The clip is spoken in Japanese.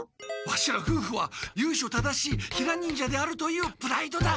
ワシらふうふはゆいしょ正しいヒラ忍者であるというプライドだ。